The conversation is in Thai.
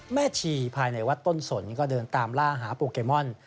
ชีภายในวัดต้นสนก็เดินตามล่าหาโปเกมอน